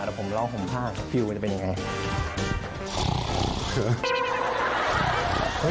แต่ผมร่องหอมผ้าฟิลว์มันจะเป็นอย่างไร